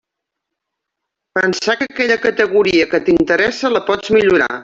Pensar que aquella categoria que t'interessa la pots millorar.